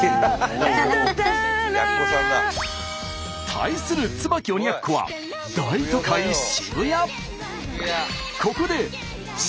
対する椿鬼奴は大都会渋谷。